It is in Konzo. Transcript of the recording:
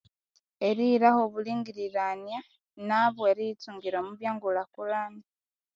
Erihiraho obulhingiro naboeriyitsungira omwabwengulhakulhana